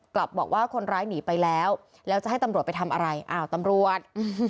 กลับบอกว่าคนร้ายหนีไปแล้วแล้วจะให้ตำรวจไปทำอะไรอ้าวตำรวจ